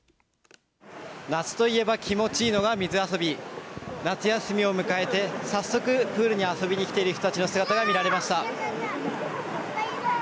夏といえば気持ち良いのが水遊び夏休みを迎えて、早速プールに遊びに来ている人たちの姿が見られました。